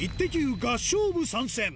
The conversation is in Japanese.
合唱部参戦。